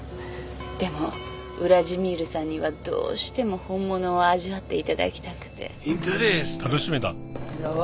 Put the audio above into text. でもウラジミールさんにはどうしても本物を味わっていただきたくて。